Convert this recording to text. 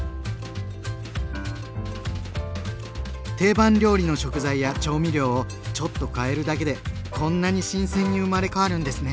定番料理の食材や調味料をちょっとかえるだけでこんなに新鮮に生まれ変わるんですね。